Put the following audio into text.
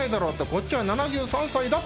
こっちは７３歳だ！